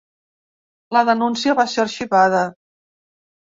La denúncia va ser arxivada.